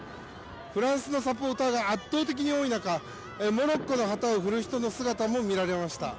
フランスのサポーターが圧倒的に多い中モロッコの旗を振る人の姿も見られました。